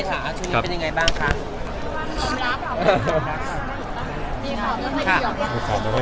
อาชูนี้เป็นยังไงบ้างค่ะ